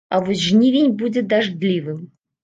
А вось жнівень будзе дажджлівым.